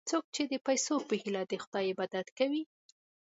څوک چې د پیسو په هیله د خدای عبادت کوي.